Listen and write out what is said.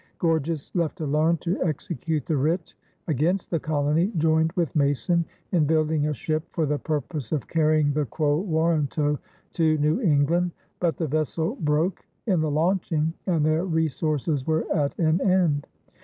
Gorges, left alone to execute the writ against the colony, joined with Mason in building a ship for the purpose of carrying the quo warranto to New England, but the vessel broke in the launching, and their resources were at an end.